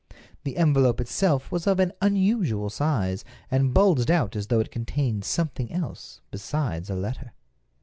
The envelope itself was of an unusual size, and bulged out as though it contained something else besides a letter.